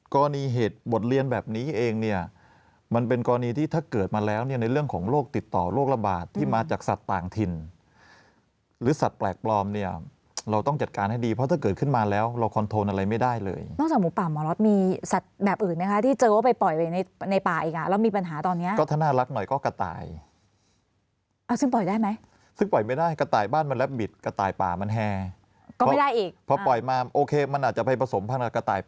กรณีเหตุบทเรียนแบบนี้เองเนี่ยมันเป็นกรณีที่ถ้าเกิดมาแล้วเนี่ยในเรื่องของโรคติดต่อโรคระบาดที่มาจากสัตว์ต่างถิ่นหรือสัตว์แปลกปลอมเนี่ยเราต้องจัดการให้ดีเพราะถ้าเกิดขึ้นมาแล้วเราคอนโทลอะไรไม่ได้เลยนอกจากหมูปลาหมอล็อตมีสัตว์แบบอื่นไหมคะที่เจอว่าไปปล่อยไปในป่าอีกแล้วมีปัญหาตอน